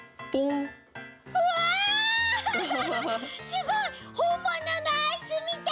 すごい！ほんもののアイスみたい！